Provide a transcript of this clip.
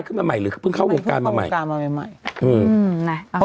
ขึ้นมาใหม่หรือเพิ่งเข้าวงการมาใหม่อืมไงเพราะ